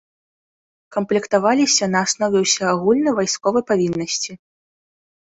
Камплектаваліся на аснове ўсеагульнай вайсковай павіннасці.